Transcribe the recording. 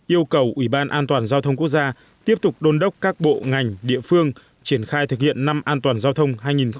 yêu cầu ủy ban an toàn giao thông quốc gia tiếp tục đôn đốc các bộ ngành địa phương triển khai thực hiện năm an toàn giao thông hai nghìn một mươi chín